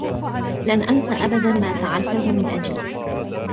لن أنس أبدا ما فعلته من أجلي.